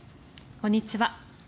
こんにちは。